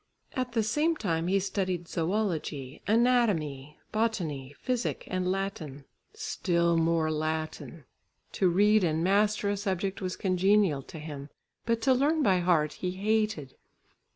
At the same time he studied zoology, anatomy, botany, physic and Latin, still more Latin! To read and master a subject was congenial to him, but to learn by heart he hated.